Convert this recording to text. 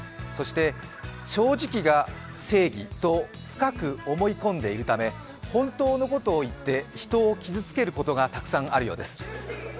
そして、正直が正義と深く思い込んでいるため本当のことを言って人を傷つけることがたくさんあるようです。